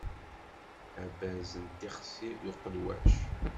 Aberrez d tixsi d uqelwac.